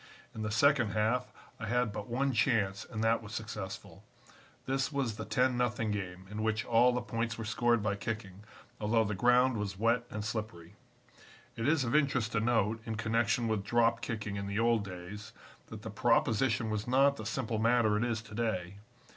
In the second half I had but one chance and that was successful. This was the 10 0 game, in which all the points were scored by kicking, although the ground was wet and slippery. "It is of interest to note, in connection with drop kicking in the old days, that the proposition was not the simple matter it is to day.